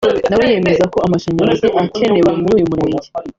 nawe yemeza ko amashanyarazi akenewe muri uyu murenge